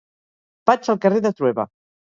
Vaig al carrer de Trueba.